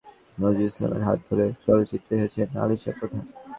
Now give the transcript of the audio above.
প্রয়াত চলচ্চিত্র নির্মাতা চাষী নজরুল ইসলামের হাত ধরে চলচ্চিত্রে এসেছেন আলিশা প্রধান।